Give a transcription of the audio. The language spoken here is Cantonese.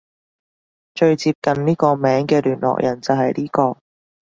最接近呢個名嘅聯絡人就係呢個